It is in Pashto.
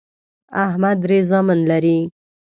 احمد درې زامن لري